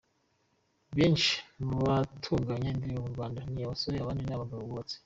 Benshi mu batunganya indirimbo mu Rwanda ni abasore, abandi ni abagabo bubatse.